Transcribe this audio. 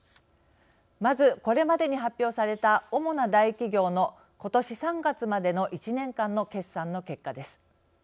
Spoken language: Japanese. まず、これまでに発表された主な大企業の、今年３月までの１年間の決算の結果です。